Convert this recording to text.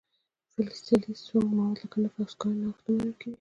فسیلي سونګ مواد لکه نفت او سکاره نوښت نه منونکي دي.